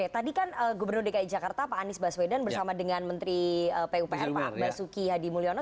tadi kan gubernur dki jakarta pak anies baswedan bersama dengan menteri pupr pak basuki hadi mulyono